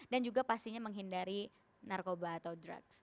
dan juga pastinya menghindari narkoba atau drugs